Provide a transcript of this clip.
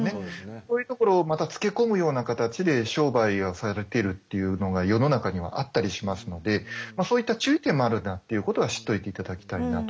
そういうところをまたつけ込むような形で商売をされてるっていうのが世の中にはあったりしますのでそういった注意点もあるんだっていうことは知っといて頂きたいなと。